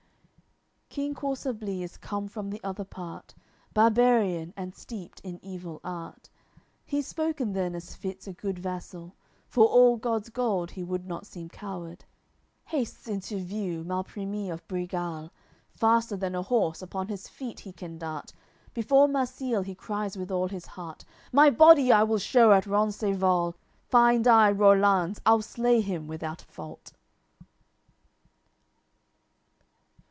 AOI. LXXI King Corsablis is come from the other part, Barbarian, and steeped in evil art. He's spoken then as fits a good vassal, For all God's gold he would not seem coward. Hastes into view Malprimis of Brigal, Faster than a horse, upon his feet can dart, Before Marsile he cries with all his heart: "My body I will shew at Rencesvals; Find I Rollanz, I'll slay him without fault."